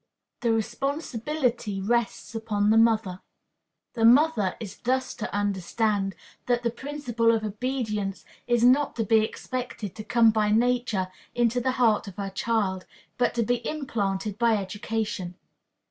The Responsibility rests upon the Mother. The mother is thus to understand that the principle of obedience is not to be expected to come by nature into the heart of her child, but to be implanted by education.